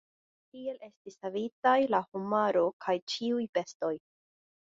Tiel estis savitaj la homaro kaj ĉiuj bestoj.